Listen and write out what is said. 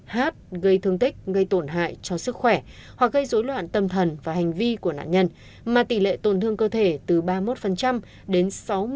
hát gây thương tích gây tổn hại cho sức khỏe hoặc gây dối loạn tâm thần và hành vi của nạn nhân mà tỷ lệ tổn thương cơ thể từ ba mươi một đến sáu mươi